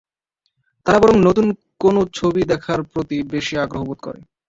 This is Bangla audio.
তারা বরং নতুন কোনো ছবি দেখার প্রতি বেশি আগ্রহ বোধ করে।